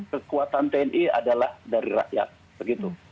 kekuatan tni adalah dari rakyat begitu